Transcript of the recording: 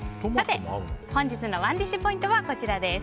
本日のＯｎｅＤｉｓｈポイントはこちらです。